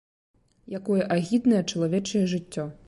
Якое агіднае чалавечае жыццё.